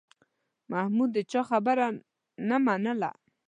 محمود د چا خبره نه منله